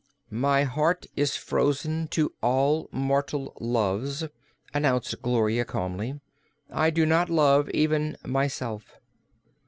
"My heart is frozen to all mortal loves," announced Gloria, calmly. "I do not love even myself."